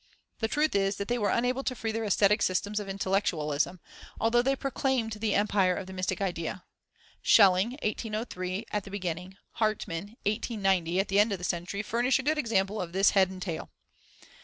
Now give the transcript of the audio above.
The truth is that they were unable to free their aesthetic systems of intellectualism, although they proclaimed the empire of the mystic idea. Schelling (1803) at the beginning, Hartmann (1890) at the end of the century, furnish a good example of this head and tail.